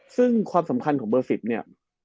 ซึ่งความสำคัญของเบอร์๑๐เนี่ย